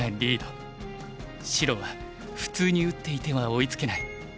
白は普通に打っていては追いつけない。